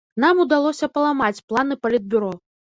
Нам удалося паламаць планы палітбюро.